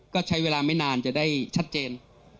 ก็ใช้เวลาไม่นานจะได้ชัดเจน